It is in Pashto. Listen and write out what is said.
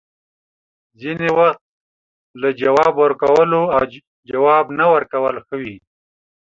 ځینې وخت له جواب ورکولو، جواب نه ورکول ښه وي